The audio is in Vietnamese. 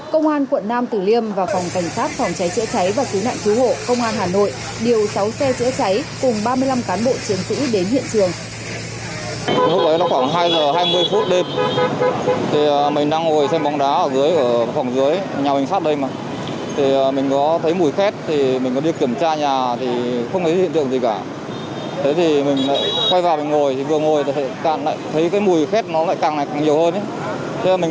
công an quận nam tử liêm và phòng cảnh sát phòng cháy chữa cháy và cứu nạn cứu hộ công an hà nội